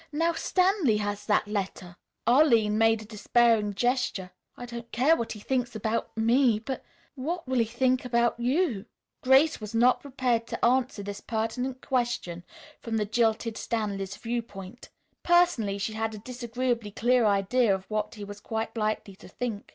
Now, Stanley has that letter!" Arline made a despairing gesture. "I don't care what he thinks about me, but what will he think about you?" Grace was not prepared to answer this pertinent question from the jilted Stanley's viewpoint. Personally she had a disagreeably clear idea of what he was quite likely to think.